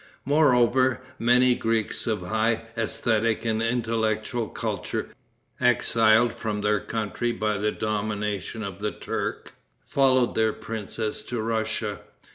Moreover, many Greeks, of high aesthetic and intellectual culture, exiled from their country by the domination of the Turk, followed their princess to Russia.